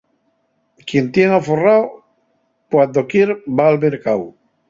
Quien tien aforrao, cuando quier va al mercáu.